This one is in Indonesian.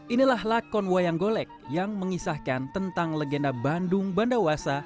inilah lakon wayang golek yang mengisahkan tentang legenda bandung bandawasa